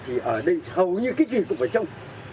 thì ở đây hầu như cái gì cũng phải trông